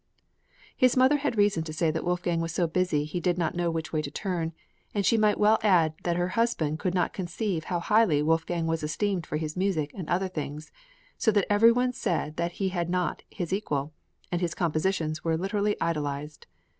His mother had reason to say that Wolfgang was so busy he did not know which way to turn; and she might well add that her husband could not conceive how highly Wolfgang was esteemed for his music and other things, so that every one said that he had not his equal, and his compositions were literally idolised.